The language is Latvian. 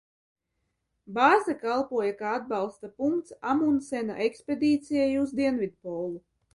Bāze kalpoja kā atbalsta punkts Amundsena ekspedīcijai uz Dienvidpolu.